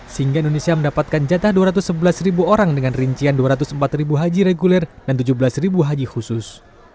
sehingga indonesia mendapatkan jatah dua ratus sebelas ribu orang dengan rincian dua ratus empat ribu haji reguler dan tujuh belas haji khusus